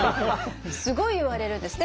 すごい言われるんです。